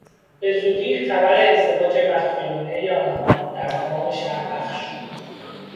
بزودی خبر ازدواج مخفیانه آنها در تمام شهر پخش شد.